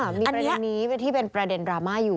มีประเด็นนี้ที่เป็นประเด็นดราม่าอยู่